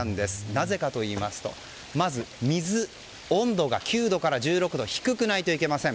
なぜかといいますとまず水、温度が９度から１６度と低くないといけません。